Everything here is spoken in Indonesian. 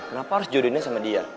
kenapa harus jodohinnya sama dia